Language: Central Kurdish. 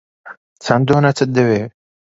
چەند دۆنەتت دەوێت؟